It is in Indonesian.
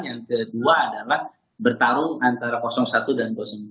yang kedua adalah bertarung antara satu dan dua